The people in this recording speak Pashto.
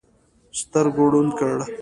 سترګو ړوند کړ.